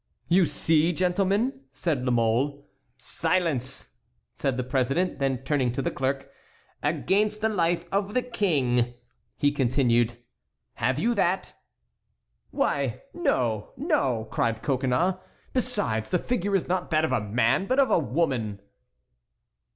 "You see, gentlemen!" said La Mole. "Silence!" said the president; then turning to the clerk: "Against the life of the King," he continued. "Have you that?" "Why, no, no!" cried Coconnas. "Besides, the figure is not that of a man, but of a woman."